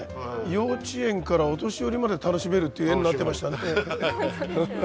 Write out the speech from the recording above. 幼稚園からお年寄りまで楽しめるという画になってましたね。